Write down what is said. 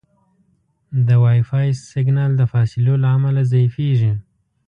د وائی فای سګنل د فاصلو له امله ضعیفېږي.